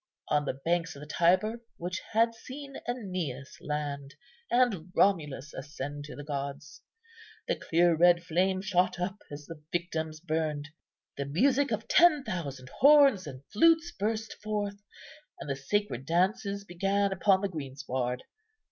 On the banks of the Tiber, which had seen Æneas land, and Romulus ascend to the gods, the clear red flame shot up as the victims burned. The music of ten thousand horns and flutes burst forth, and the sacred dances began upon the greensward.